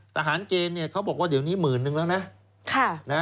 ทหารเกณฑ์เขาบอกว่าเดี๋ยวนี้หมื่นนึงแล้วนะ